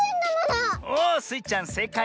おおスイちゃんせいかい。